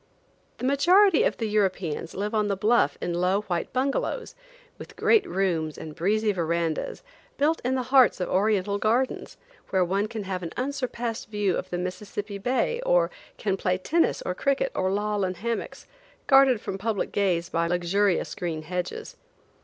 The majority of the Europeans live on the bluff in low white bungalows, with great rooms and breezy verandas, built in the hearts of Oriental gardens, where one can have an unsurpassed view of the Mississippi bay, or can play tennis or cricket, or loll in hammocks, guarded from public gaze by luxurious green hedges.